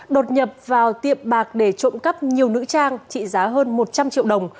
đột nhập vào tiệm bạc để trộm cắp nhiều nữ trang trị giá hơn một trăm linh triệu đồng